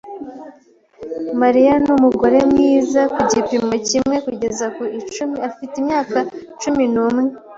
Mariya numugore mwiza cyane. Ku gipimo kimwe kugeza ku icumi, afite imyaka cumi n'umwe.